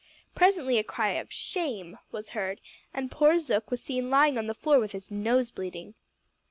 Presently a cry of "shame" was heard, and poor Zook was seen lying on the floor with his nose bleeding.